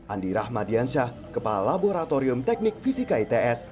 andi rahmadiansyah kepala laboratorium teknik fisika its